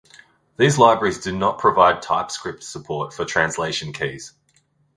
These libraries do not provide TypeScript support for translation keys